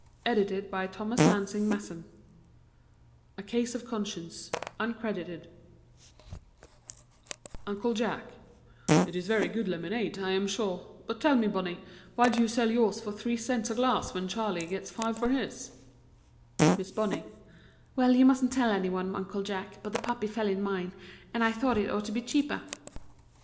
NATHANIEL PARKER WILLIS A CASE OF CONSCIENCE Uncle Jack: It is very good lemonade, I am sure; but tell me, Bonnie, why do you sell yours for three cents a glass when Charley gets five for his? Miss Bonnie: Well, you mustn't tell anybody, Uncle Jack, but the puppy fell in mine and I thought it ought to be cheaper.